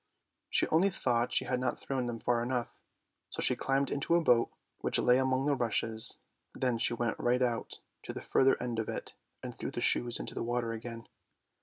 She only thought she had not thrown them far enough, so she climbed into a boat which lay among the rushes, then she went right out to the further end of it, and threw the shoes into the water again.